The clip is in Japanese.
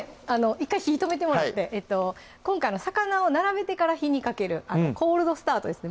１回火止めてもらって今回魚を並べてから火にかける「コールドスタート」ですね